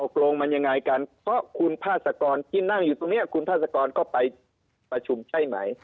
ตกลงมันยังไงกันเพราะคุณพาสกรที่นั่งอยู่ตรงนี้คุณพาสกรก็ไปประชุมใช่ไหม